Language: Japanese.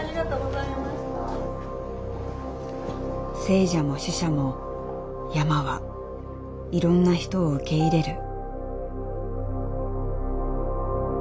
生者も死者も山はいろんな人を受け入れる。